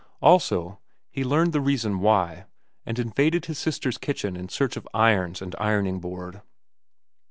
Also, he learned the reason why, and invaded his sister's kitchen in search of irons and ironing board.